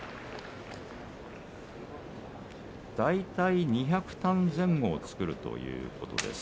大体２００反前後を作るということです。